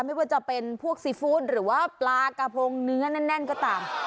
ไม่ว่าจะเป็นพวกซีฟู้ดหรือว่าปลากระพงเนื้อแน่นก็ตาม